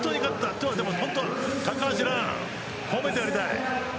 今日は本当、高橋藍褒めてやりたい。